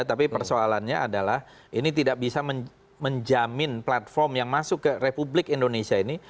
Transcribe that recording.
tapi persoalannya adalah ini tidak bisa menjamin platform yang masuk ke republik indonesia ini